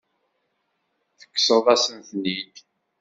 Tekkseḍ-asen-ten-id.